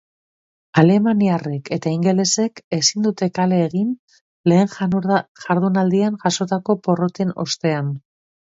Alemaniarrek eta ingelesek ezin dute kale egin lehen jardunaldian jasotako porroten ostean.